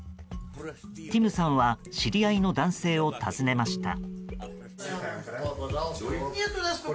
ティムさんは知り合いの男性を訪ねました。